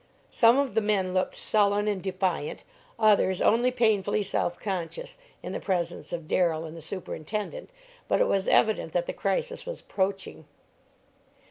Some of the men looked sullen and defiant, others only painfully self conscious, in the presence of Darrell and the superintendent, but it was evident that the crisis was approaching.